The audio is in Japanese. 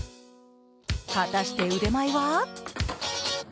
果たして腕前は？